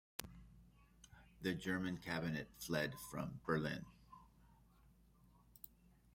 The German cabinet fled from Berlin.